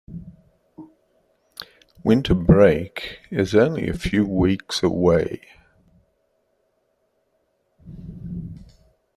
Winter break is only a few weeks away!